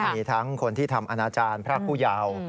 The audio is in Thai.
มีทั้งคนที่ทำอนาจารย์พระผู้ยาว